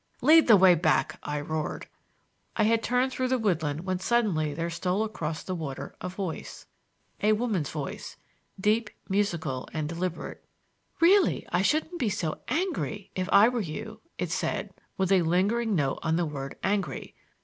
"Lead the way back," I roared. I had turned toward the woodland when suddenly there stole across the water a voice,—a woman's voice, deep, musical and deliberate. "Really, I shouldn't be so angry if I were you!" it said, with a lingering note on the word angry.